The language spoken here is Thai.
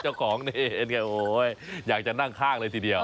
เจ้าของนี่อยากจะนั่งข้างเลยทีเดียว